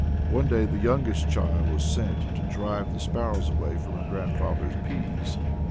One day the youngest child was sent to drive the sparrows away from her grandfather's pease.